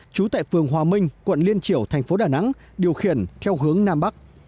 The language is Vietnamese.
trú tại phường hòa minh quận liên triểu thành phố đà nẵng điều khiển theo hướng nam bắc